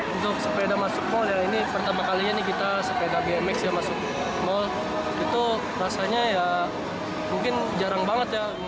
untuk sepeda masuk mall ini pertama kalinya kita sepeda bmx masuk mall itu rasanya ya mungkin jarang banget ya